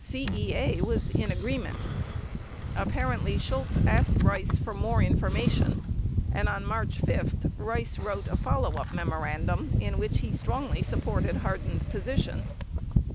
CEA was in agreement. Apparently, Shultz asked Rice for more information and on March 5, Rice wrote a follow up memorandum in which he strongly supported Hardin's position.